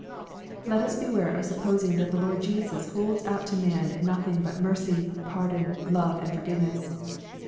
Let us beware of supposing that the Lord Jesus holds out to man nothing but mercy, pardon, love, and for giveness.